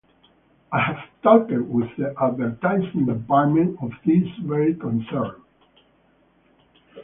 I have talked with the advertising department of this very concern.